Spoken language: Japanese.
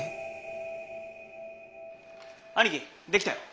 兄貴できたよ。